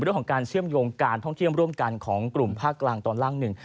ด้วยการเชื่อมโยงการท่องเชื่อมร่วมการของกลุ่มภาคกลางตอนล่างหนึ่ง